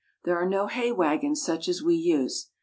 There are no hay wagons such as we use.